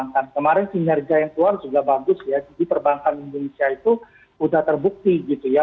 kemarin kinerja yang keluar juga bagus ya jadi perbankan indonesia itu sudah terbukti gitu ya